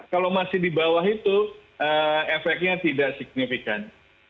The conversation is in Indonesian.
kalau masih di bawah itu efeknya tidak signifikan